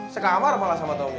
sekamar malah sama tommy